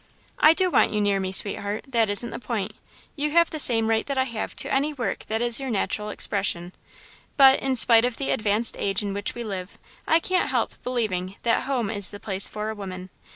"I do want you near me, sweetheart, that isn't the point. You have the same right that I have to any work that is your natural expression, but, in spite of the advanced age in which we live, I can't help believing that home is the place for a woman.